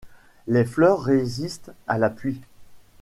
Ses fleurs résistent à la pluie.